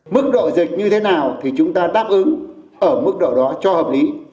mức độ dịch như thế nào thì chúng ta đáp ứng ở mức độ đó cho hợp lý